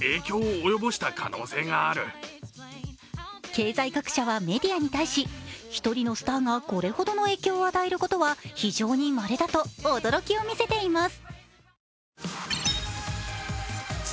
経済学者はメディアに対し、１人のスターがこれほどの影響を与えることは、非常にまれだと驚きを見せています。